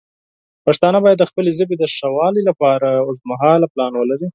پښتانه باید د خپلې ژبې د ښه والی لپاره اوږدمهاله پلان ولري.